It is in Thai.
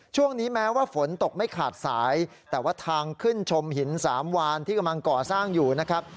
ช่วงนี้แม้ว่าฝนตกไม่ขาดสายแต่ว่าทางขึ้นชมหินสามวานที่กำลังก่อสร้างอยู่นะครับ